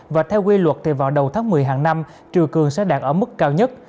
và theo quy luật thì vào đầu tháng một mươi hàng năm triều cường sẽ đạt ở mức cao nhất